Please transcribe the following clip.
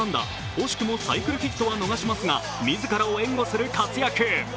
惜しくもサイクルヒットは逃しますが、自らを援護する活躍。